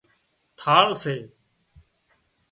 ٿاۯ سي